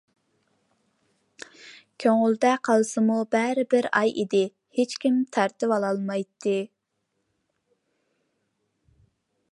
كۆڭۈلدە قالسىمۇ بەرىبىر ئاي ئىدى، ھېچكىم تارتىۋالالمايتتى.